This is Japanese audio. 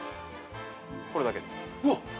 これだけです。